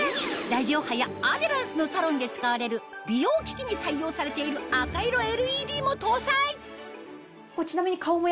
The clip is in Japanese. ラジオ波やアデランスのサロンで使われる美容機器に採用されている赤色ＬＥＤも搭載ちなみに。